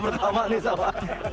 pertama nih sama